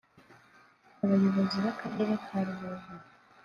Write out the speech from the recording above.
Abayobozi b’Akarere ka Rubavu